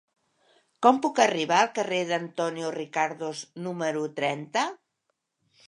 Com puc arribar al carrer d'Antonio Ricardos número trenta?